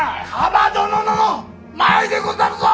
蒲殿の前でござるぞ！